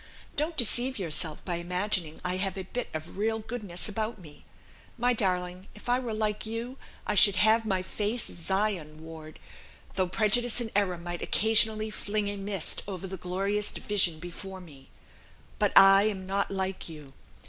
Don't deceive yourself by imagining I have a bit of real goodness about me. My darling, if I were like you, I should have my face Zion ward, though prejudice and error might occasionally fling a mist over the glorious vision before me but I am not like you.